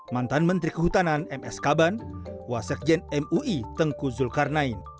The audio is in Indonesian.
mantan menteri kehutanan ms kaban wasekjen mui tengku zulkarnain